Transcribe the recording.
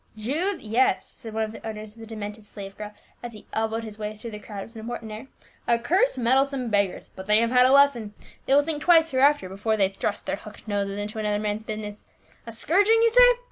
"Jews? yes," said one of the owners of the de mented slave girl, as he elbowed his way through the crowd with an important air —" accursed, meddle some beggars ! but they have had a lesson. They will think twice hereafter before they thrust their hooked noses into another man's business. A scourg ing, you say